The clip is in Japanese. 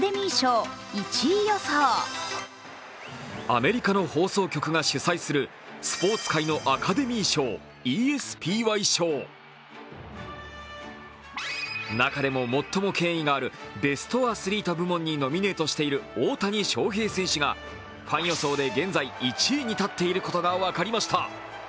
アメリカの放送局が主催するスポーツ界のアカデミー賞、ＥＳＰＹ賞中でも最も権威があるベストアスリート部門にノミネートしている大谷翔平選手がファン予想で現在１位に立っていることが分かりました。